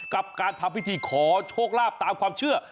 กับการทำพิธีขอโชคลาภตามความเชื่อ